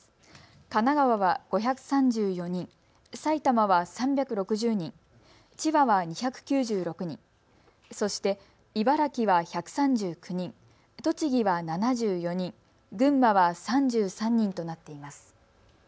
神奈川は５３４人、埼玉は３６０人、千葉は２９６人、そして茨城は１３９人、栃木は７４人群馬は３３人となっています。